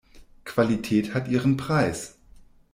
Qualität hat ihren Preis.